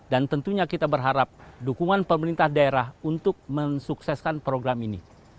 dan tentunya kita berharap dukungan pemerintah daerah untuk mensukseskan program ini